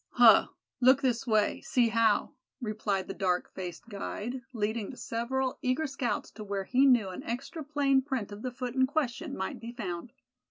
"Huh! look this way, see how," replied the dark faced guide, leading the several eager scouts to where he knew an extra plain print of the foot in question might be found.